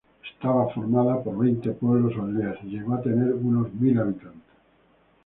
Estaba formada por veinte pueblos o aldeas, y llegó a tener unos mil habitantes.